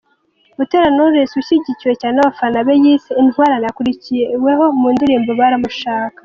Butera Knowless ushyigikiwe cyane n’abafana be yise ’Intwarane’ akurikiyeho mu ndirimbo ’Baramushaka’.